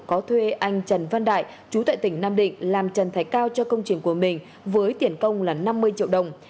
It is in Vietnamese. có thuê anh trần văn đại chú tại tỉnh nam định làm trần thạch cao cho công trình của mình với tiền công là năm mươi triệu đồng